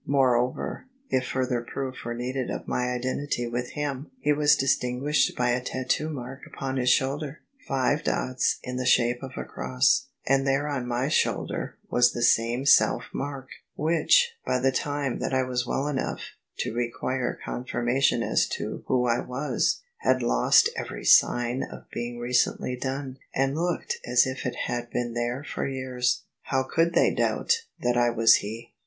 More over, if further proof were needed of my identity with him, he was distinguished by a tattoo mark upon his shoulder — C336] OF ISABEL CARNABY five dots in the shape of a cross: and there on my shoulder was the self same mark ; which, by the time that I was well enough to require confirmation as to who I was, had lost every sign of being recently done, and looked as if it had been there for years. How coidd they doubt that I was he?"